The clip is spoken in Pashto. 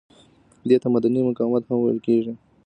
دې ته مدني مقاومت هم ویل کیږي.